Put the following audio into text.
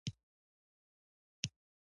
زه له خپل موبایل سره مینه لرم.